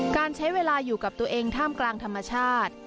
การใช้เวลาอยู่กับตัวเองท่ามกลางธรรมชาติ